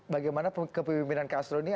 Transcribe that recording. bagaimana kepemimpinan castro ini